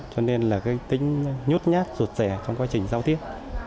cho nên là tính nhút nhát rụt rẻ trong quá trình giao tiếp